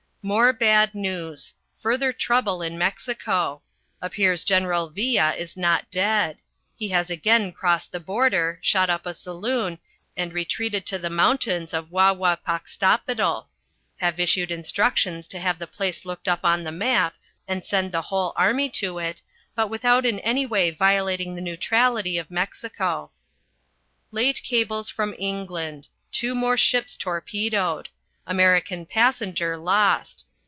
More bad news: Further trouble in Mexico. Appears General Villa is not dead. He has again crossed the border, shot up a saloon and retreated to the mountains of Huahuapaxtapetl. Have issued instructions to have the place looked up on the map and send the whole army to it, but without in any way violating the neutrality of Mexico. Late cables from England. Two more ships torpedoed. American passenger lost.